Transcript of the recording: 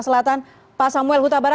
selatan pak samuel hutabara